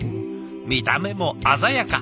見た目も鮮やか。